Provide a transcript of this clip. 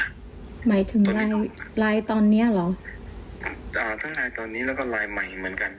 หมายถึงไลน์ตอนเนี้ยเหรออ่าทั้งในตอนนี้แล้วก็ไลน์ใหม่เหมือนกัน